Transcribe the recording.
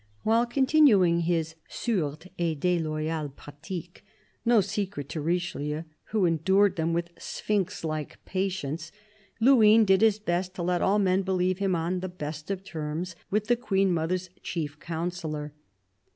While continuing his sourdes et deloyales pratiques — no secret to Richelieu, who endured them with sphinx like patience — Luynes did his best to let all men believe him on the best of terms with the Queen mother's chief counsellor.